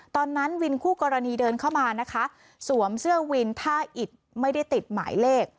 ตอนนั้นวินคู่กรณีเดินเข้ามานะคะสวมเสื้อวินท่าอิดไม่ได้ติดหมายเลข